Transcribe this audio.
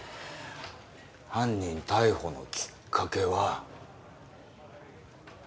犯人逮捕のきっかけは。